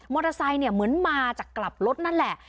มอเตอร์ไซค์เหมือนมาจากกลับรถนั่นแหละ